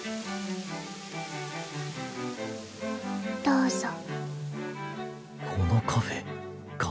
どうぞ。